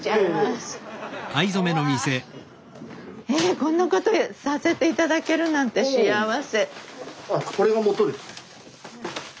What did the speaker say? こんなことさせて頂けるなんて幸せ。